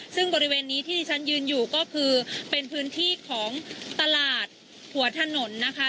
ซึ่งบริเวณนี้ที่ที่ฉันยืนอยู่ก็คือเป็นพื้นที่ของตลาดหัวถนนนะคะ